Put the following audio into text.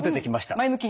前向きに。